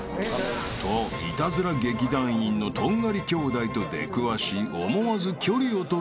［とイタズラ劇団員のとんがり兄弟と出くわし思わず距離を取る